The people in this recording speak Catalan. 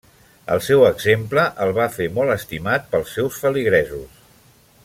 El seu exemple el va fer molt estimat pels seus feligresos.